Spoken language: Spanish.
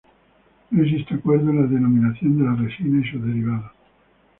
No existe acuerdo en la denominación de la resina y sus derivados.